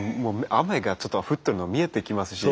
雨がちょっと降ってるの見えてきますし。